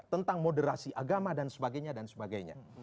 tentang moderasi agama dan sebagainya